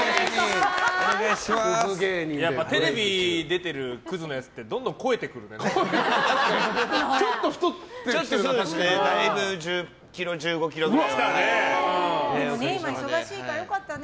やっぱりテレビ出てるクズのやつってどんどん肥えてくるんだよね。